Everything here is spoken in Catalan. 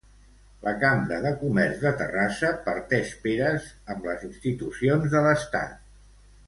La Cambra de Comerç de Terrassa parteix peres amb les institucions de l'estat.